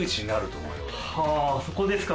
はぁそこですか。